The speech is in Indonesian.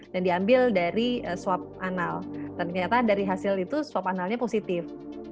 dan diambil dari swab anal dan ternyata dari hasil itu swab analnya positif